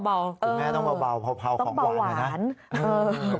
คุณแม่ต้องเบาเผาของเบาหวานนะ